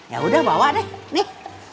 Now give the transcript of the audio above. yaudah bawa deh